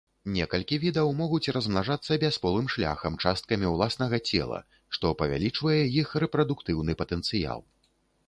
Некалькі відаў могуць размнажацца бясполым шляхам часткамі ўласнага цела, што павялічвае іх рэпрадуктыўны патэнцыял.